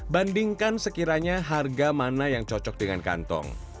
bandingkan sekiranya harga mana yang cocok dengan kantong